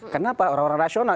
kenapa orang orang rasional